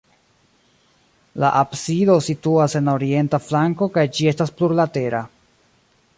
La absido situas en la orienta flanko kaj ĝi estas plurlatera.